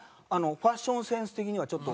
ファッションセンス的にはちょっと。